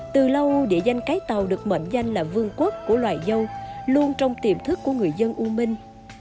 từ lâu địa danh cái tàu được mệnh danh là vương quốc của loài dâu luôn trong tiềm thức của người dân u minh